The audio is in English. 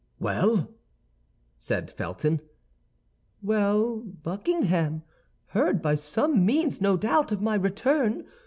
"Well?" said Felton. "Well; Buckingham heard by some means, no doubt, of my return.